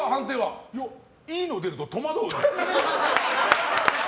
いいのが出ると戸惑うね。